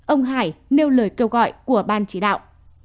ông hải nêu lời kêu gọi của ban chỉ đạo